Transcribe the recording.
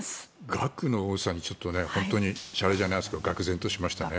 額の多さにちょっと本当にしゃれじゃないですががくぜんとしましたね。